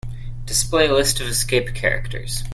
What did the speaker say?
Display a list of escape characters.